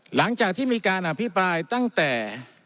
หลังจากที่มีการอภิปรายตั้งแต่